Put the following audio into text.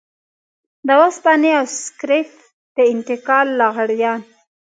د وسپنې او سکريپ د انتقال لغړيان.